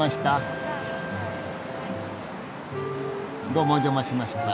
どうもお邪魔しました。